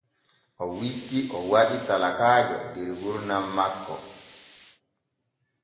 O witti o waɗi talakaajo der gurdam makko.